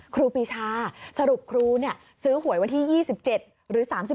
ครูปีชาสรุปครูซื้อหวยวันที่๒๗หรือ๓๔